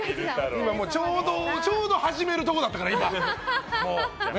ちょうど始めるところだったから。